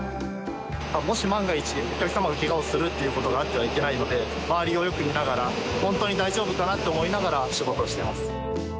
もし万が一お客様がケガをするっていう事があってはいけないので周りをよく見ながら本当に大丈夫かなと思いながら仕事をしてます。